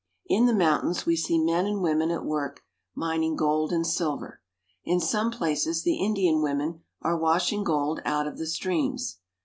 In the mountains we see men and women at work mining gold and silver. In some places the Indian women are washing gold out of the streams.